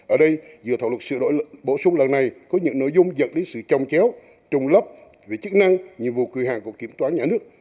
ở đây giữa thảo luật sự bổ sung lần này có những nội dung dẫn đến sự trồng chéo trùng lấp về chức năng nhiệm vụ quyền hàng của kiểm toán nhà nước